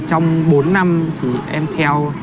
trong bốn năm thì em theo